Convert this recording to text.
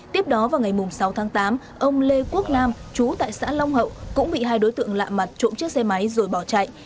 tiếp đó vào ngày sáu tháng tám ông lê quốc nam chú tại xã long hậu cũng bị hai đối tượng lạ mặt trộm chiếc xe máy rồi bỏ chạy